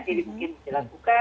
jadi mungkin jika buka